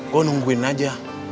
gue nungguin aja